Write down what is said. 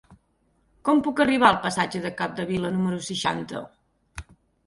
Com puc arribar al passatge de Capdevila número seixanta?